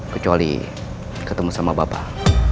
kecuali ketemu sama bapak